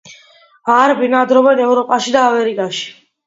არ ბინადრობენ ევროპაში და ამერიკაში.